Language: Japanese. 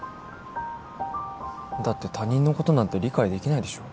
だって他人のことなんて理解できないでしょ。